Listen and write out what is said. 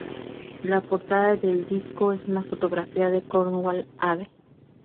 La portada del disco es una fotografía de Cornwall Ave.